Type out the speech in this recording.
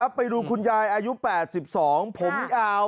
ไปดูคุณยายอายุ๘๒ผมยาว